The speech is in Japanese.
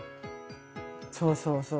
そうそうそう。